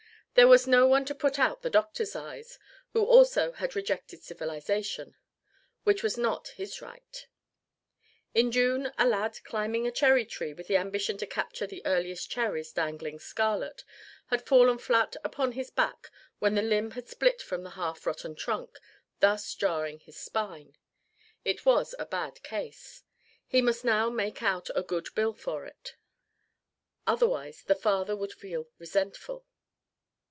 There was no one to put out the doctor's eyes, who also had rejected civilization: which was not his right. In June a lad, climbing a cherry tree with the ambition to capture the earliest cherries dangling scarlet, had fallen flat upon his back when the limb had split from the half rotten trunk, thus jarring his spine. It was a bad case; he must now make out a good bill for it, otherwise the father would feel resentful.